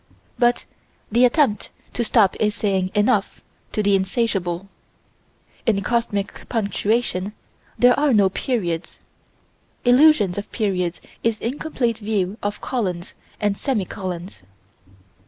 But the attempt to stop is saying "enough" to the insatiable. In cosmic punctuation there are no periods: illusion of periods is incomplete view of colons and semi colons.